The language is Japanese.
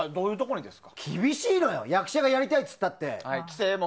厳しいのよ役者がやりたいって言っても。